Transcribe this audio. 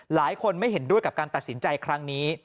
หลายคนไม่เห็นด้วยกับการตัดสินใจครั้งนี้